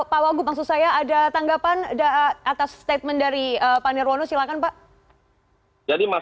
pak wagub maksud saya ada tanggapan atas statement dari pak nirwono silahkan pak